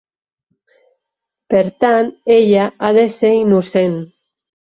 Per tant, ella ha de ser innocent!